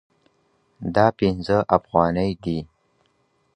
دا پنځه افغانۍ دي.